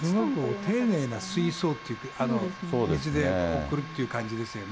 丁寧な水槽というか、水で送るという感じですね。